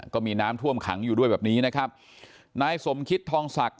ก็มีน้ำท่วมขังอยู่ด้วยแบบนี้นะครับนายสมคิตทองศักดิ